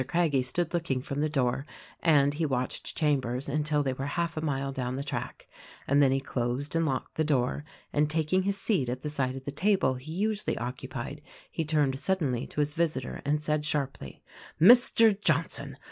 Craggie stood looking from the door, (and he watched Chambers until they were half a mile down the track), and then he closed and locked the door and, taking his seat at the side of the table he usually occupied he turned suddenly to his visitor and said sharply, "Mr. John son!